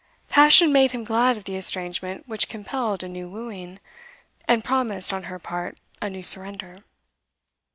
Passion made him glad of the estrangement which compelled a new wooing, and promised, on her part, a new surrender.